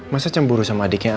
masa cemburu sama adiknya